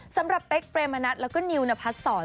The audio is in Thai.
สำหรับเป๊กเปรมณัทแล้วก็นิวณพัดสร